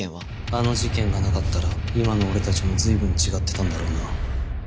あの事件がなかったら今の俺たちも随分違ってたんだろうな。